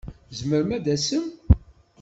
Tzemrem ad tasem?